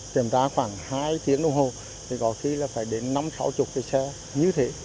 kiểm tra khoảng hai tiếng đồng hồ thì có khi là phải đến năm sáu mươi cái xe như thế